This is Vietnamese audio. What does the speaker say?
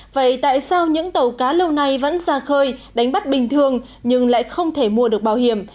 vậy tại sao những tàu cá lâu nay vẫn ra khơi đánh bắt bình thường nhưng lại không thể mua được bảo hiểm